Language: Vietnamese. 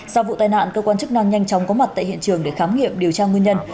sau vụ tai nạn cơ quan chức năng nhanh chóng có mặt tại hiện trường để khám nghiệm điều tra nguyên nhân